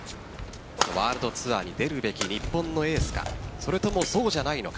ワールドツアーに出るべき日本のエースがそれともそうじゃないのか。